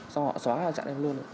xong họ xóa và chặn em luôn